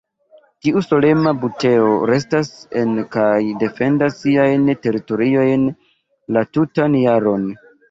Tiu solema buteo restas en kaj defendas siajn teritoriojn la tutan jaron.